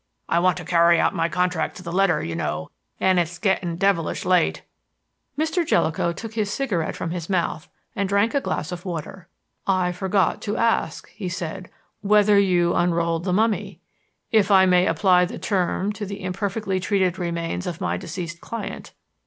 "I want to carry out my contract to the letter, you know, though it's getting devilish late." Mr. Jellicoe took his cigarette from his mouth and drank a glass of water. "I forgot to ask," he said, "whether you unrolled the mummy if I may apply the term to the imperfectly treated remains of my deceased client."